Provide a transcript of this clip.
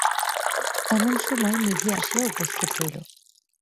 এমন সময়ে নিধি আসিয়া উপস্থিত হইল।